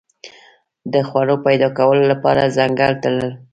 د خوړو پیدا کولو لپاره ځنګل تلل.